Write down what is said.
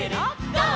ゴー！」